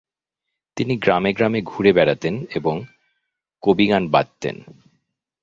তিনি গ্রাম গ্রামে ঘুরে বেড়াতেন এবং কবিগান বাঁধতেন।